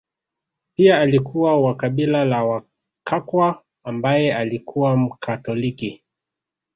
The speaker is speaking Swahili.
Pia alikuwa wa kabila la Wakakwa ambaye alikuwa Mkatoliki